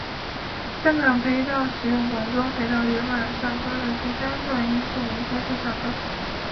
香港培道使用广州培道原版校歌的第三段作为该校校歌。